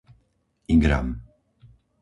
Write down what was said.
Igram